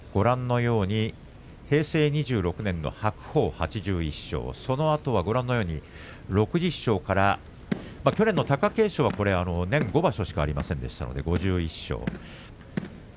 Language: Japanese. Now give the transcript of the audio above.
平成２６年の白鵬８１勝このあとは６０勝から去年の貴景勝は年５場所しかありませんでしたので５１勝。